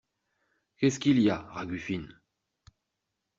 Qu’est-ce qu’il y a, Ragufine ?…